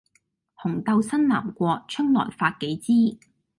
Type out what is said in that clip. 紅豆生南國，春來發幾枝，